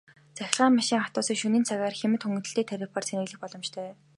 Цахилгаан машин, автобусыг шөнийн цагаар хямд хөнгөлөлттэй тарифаар цэнэглэх боломжтой.